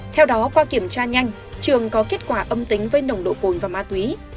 theo đó qua kiểm tra nhanh trường có kết quả âm tính với nồng độ cồn và ma túy